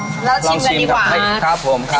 อืมแล้วรอชิมนะเดียวครับผมครับ